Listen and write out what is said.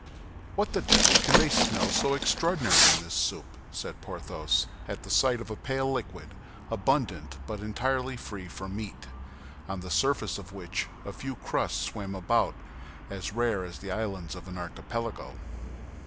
"What the devil can they smell so extraordinary in this soup?" said Porthos, at the sight of a pale liquid, abundant but entirely free from meat, on the surface of which a few crusts swam about as rare as the islands of an archipelago.